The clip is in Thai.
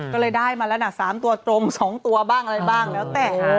ก็เลยได้มาแล้วนะ๓ตัวตรง๒ตัวบ้างอะไรบ้างแล้วแต่